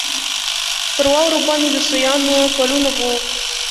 پر واوره باندې د سویانو پلونه وو.